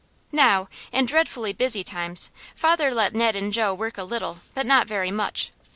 Now, in dreadfully busy times, father let Ned and Jo work a little, but not very much.